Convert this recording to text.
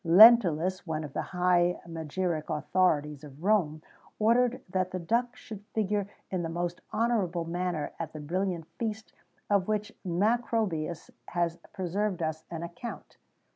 Lentulus, one of the high magiric authorities of Rome, ordered that the duck should figure in the most honourable manner at the brilliant feast of which Macrobius has preserved us an account.